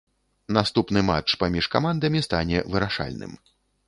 Наступны матч паміж камандамі стане вырашальным.